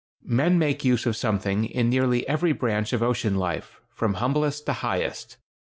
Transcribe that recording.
Men make use of something in nearly every branch of ocean life, from humblest to highest.